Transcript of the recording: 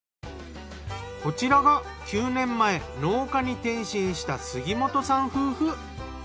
こちらが９年前農家に転身した杉本さん夫婦。